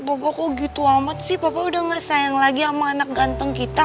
papa kok gitu amat sih papa udah gak sayang lagi sama anak ganteng kita